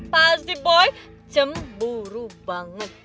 pasti boy cemburu banget